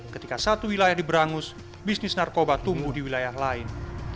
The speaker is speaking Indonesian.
ketika satu wilayah diberangus bisnis narkoba tumbuh di wilayah lain